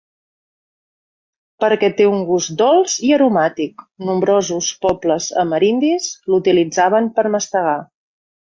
Perquè té un gust dolç i aromàtic, nombrosos pobles amerindis l'utilitzaven per a mastegar.